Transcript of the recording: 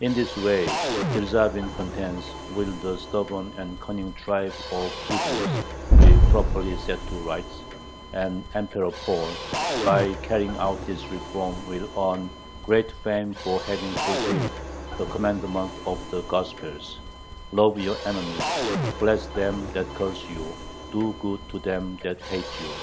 In this way, Dyerzhavin contends, will "the stubborn and cunning tribe of Hebrews be properly set to rights," and Emperor Paul, by carrying out this reform, will earn great fame for having fulfilled the commandment of the Gospels, "Love your enemies, bless them that curse you, do good to them that hate you."